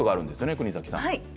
国崎さん。